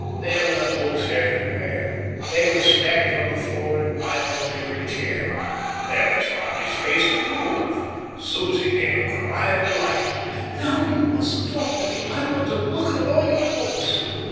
There were books everywhere. They were stacked on the floor and piled on every chair. There was hardly space to move. Susie gave a cry of delight. "Now you mustn't talk to me. I want to look at all your books."